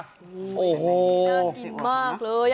เนอร์กินมากเลยอะ